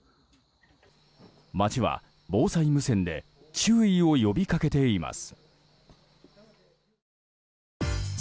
町は防災無線で注意を呼びかけています。